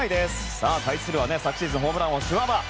さあ、対するは昨シーズンのホームラン王シュワバー！